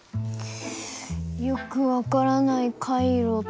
よく分からない回路と。